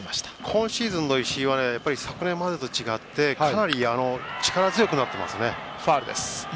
今シーズンの石井は昨年までと違ってかなり力強くなっていますね。